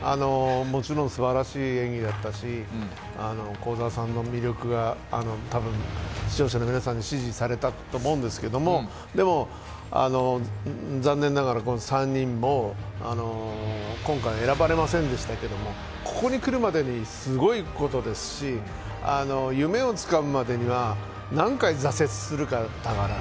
もちろんすばらしい演技だったし、幸澤さんの魅力がたぶん、視聴者の皆さんに支持されたと思うんですけども、でも残念ながら３人も今回選ばれませんでしたけどもここに来るまでにすごいことですし、夢をつかむまでには何回、挫折するかだから。